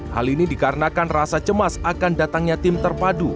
hal ini dikarenakan rasa cemas akan datangnya tim terpadu